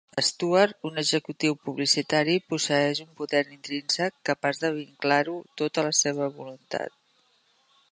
Stuart, un executiu publicitari, posseeix un poder intrínsec capaç de vinclar-ho tot a la seva voluntat.